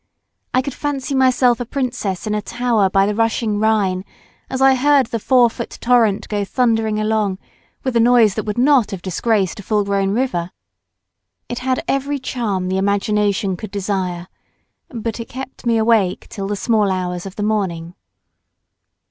I could fancy myself a princess in a tower by the rushing Rhine as I heard the four foot torrent go thundering along with a noise that would not have disgraced a full grown river. It had every charm the imagination could desire, but it kept me awake till the small hours of the morning.